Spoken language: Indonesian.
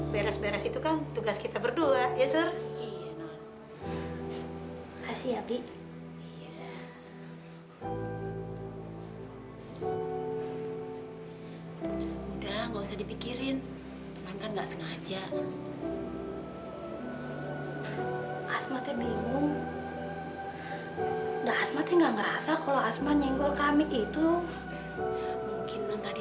bapak jangan jangan